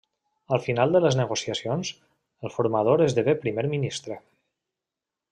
Al final de les negociacions, el formador esdevé primer ministre.